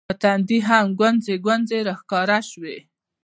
په تندي هم ګونځې ګونځې راښکاره شوې